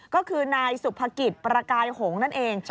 ก็คือนายสุภกิจประกายหงษ์นั่นเอง